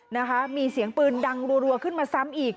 นะคะมีเสียงปืนดังรัวขึ้นมาซ้ำอีก